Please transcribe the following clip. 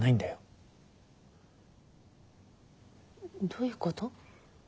どういうこと？